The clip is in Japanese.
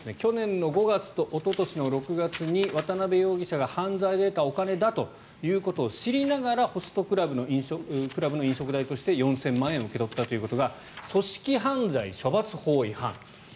容疑は去年５月とおととしの６月に渡邊容疑者が犯罪で得たお金だと知りながらホストクラブの飲食代として４０００万円を受け取ったということが組織犯罪処罰法違反。